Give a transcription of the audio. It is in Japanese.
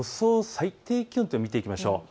最低気温を見ていきましょう。